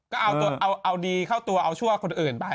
ก็เอาดีเข้าตัวเอาชั่วคนอื่นไป